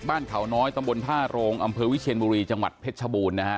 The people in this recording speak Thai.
บ้านเขาน้อยตำบลท่าโรงอำเภอวิเชียนบุรีจังหวัดเพชรชบูรณ์นะฮะ